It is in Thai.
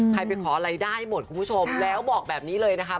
ไปขออะไรได้หมดคุณผู้ชมแล้วบอกแบบนี้เลยนะคะ